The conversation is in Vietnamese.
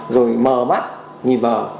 rồi mờ mắt nhìn mờ